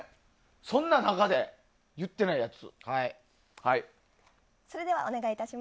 そんな中で言ってないやつ。